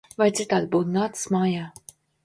Vai citādi būtu nācis mājā!